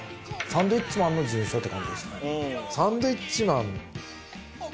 サンドウィッチマンの事務所って感じでしたね。